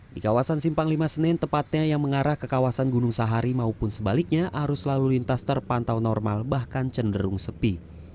di kawasan simpang lima senen tepatnya yang mengarah ke kawasan gunung sahari maupun sebaliknya arus lalu lintas terpantau normal bahkan cenderung sepi